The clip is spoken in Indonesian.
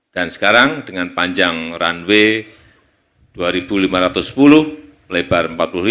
dan sekarang dengan panjang runway dua lima ratus sepuluh lebar empat puluh lima